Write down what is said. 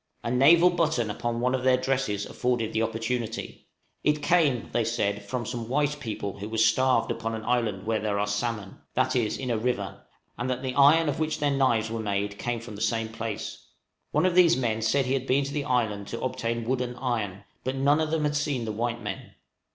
A naval button upon one of their dresses afforded the opportunity; it came, they said, from some white people who were starved upon an island where there are salmon (that is, in a river); and that the iron of which their knives were made came from the same place. One of these men said he had been to the island to obtain wood and iron, but none of them had seen the white men.